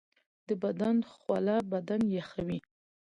د بدن خوله بدن یخوي